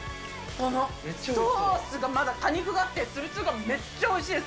このソースがまだ果肉があって、つぶつぶがめっちゃおいしいです。